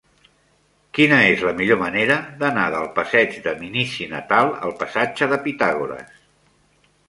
Quina és la millor manera d'anar del passeig de Minici Natal al passatge de Pitàgores?